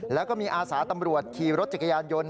แล้วก็มีอาสาตำรวจขี่รถจักรยานยนต์